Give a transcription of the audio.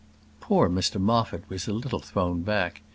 Poor Mr Moffat was a little thrown back.